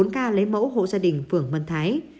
bốn ca lấy mẫu hộ hộ gia đình phường mân thái